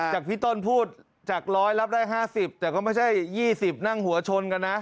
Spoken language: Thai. จากพี่ต้นพูดจากร้อยรับได้ห้าสิบแต่ก็ไม่ใช่ยี่สิบนั่งหัวชนกันนะ